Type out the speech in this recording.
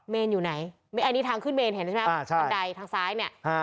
เมนอยู่ไหนอันนี้ทางขึ้นเมนเห็นไหมอ่าใช่บันไดทางซ้ายเนี่ยอ่า